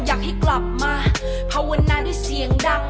อยากให้กลับมาภาวนาด้วยเสียงดัง